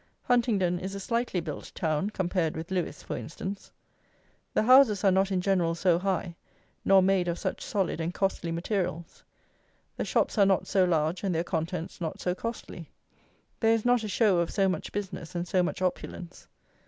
Huntingdon is a slightly built town, compared with Lewes, for instance. The houses are not in general so high, nor made of such solid and costly materials. The shops are not so large and their contents not so costly. There is not a show of so much business and so much opulence.